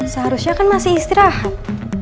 seharusnya kan masih istirahat